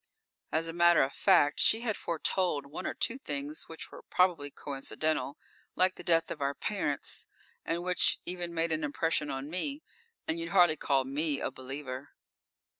As a matter of fact, she had foretold one or two things which were probably coincidental, like the death of our parents, and which even made an impression on me and you'd hardly call me a "believer."